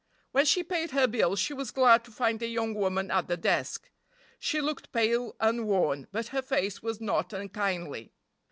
When she paid her bill she was glad to find a young woman at the desk. She looked pale and worn, but her face was not unkindly.